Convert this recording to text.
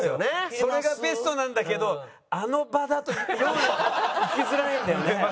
それがベストなんだけどあの場だと４引きづらいんだよね。